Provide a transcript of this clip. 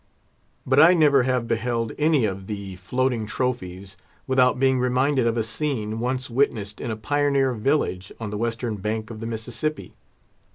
But I never have beheld any of thee floating trophies without being reminded of a scene once witnessed in a pioneer village on the western bank of the Mississippi.